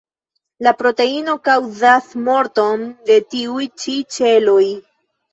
La proteino kaŭzas morton de tiuj ĉi ĉeloj.